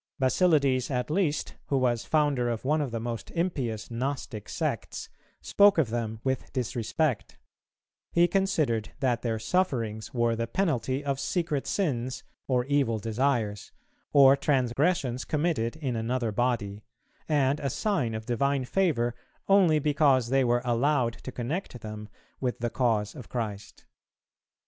Basilides at least, who was founder of one of the most impious Gnostic sects, spoke of them with disrespect; he considered that their sufferings were the penalty of secret sins or evil desires, or transgressions committed in another body, and a sign of divine favour only because they were allowed to connect them with the cause of Christ.